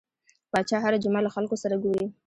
پاچا هر جمعه له خلکو سره ګوري .